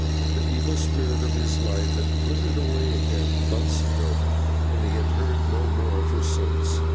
The evil spirit of his life had flitted away again, months ago, and he had heard no more of her since.